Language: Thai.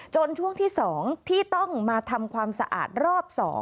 ช่วงที่๒ที่ต้องมาทำความสะอาดรอบ๒